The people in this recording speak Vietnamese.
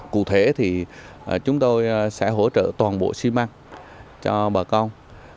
cụ thể thì chúng tôi sẽ hỗ trợ toàn bộ xi măng cho bà con